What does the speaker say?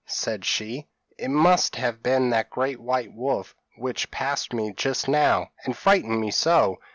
said she, 'it must have been that great white wolf which passed me just now, and frightened me so.